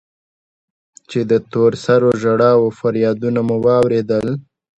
چې د تور سرو ژړا و فريادونه مو واورېدل.